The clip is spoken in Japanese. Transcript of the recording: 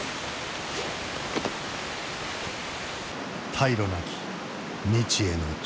退路なき未知への挑戦。